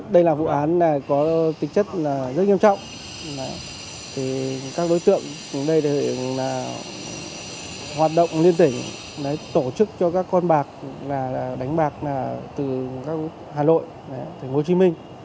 đây là vụ án có tính chất rất nghiêm trọng các đối tượng ở đây hoạt động liên tỉnh tổ chức cho các con bạc đánh bạc từ hà nội thành phố hồ chí minh